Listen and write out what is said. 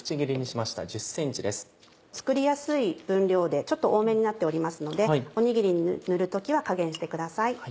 作りやすい分量で多めになっておりますのでおにぎりに塗る時は加減してください。